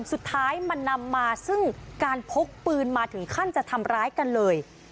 สุดท้ายมันนำมาซึ่งการพกปืนมาถึงขั้นจะทำร้ายกันเลย